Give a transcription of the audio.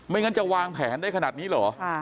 งั้นจะวางแผนได้ขนาดนี้เหรอ